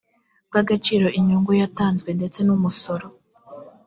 bw agaciro inyungu yatanzwe ndetse n umusoro